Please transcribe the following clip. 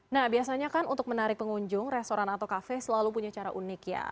nah biasanya kan untuk menarik pengunjung restoran atau kafe selalu punya cara unik ya